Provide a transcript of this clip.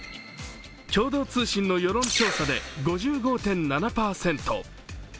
共同通信の世論調査で５５．７％